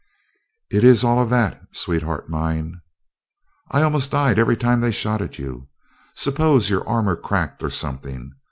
"It's all of that, sweetheart mine!" "I almost died, every time they shot at you. Suppose your armor cracked or something?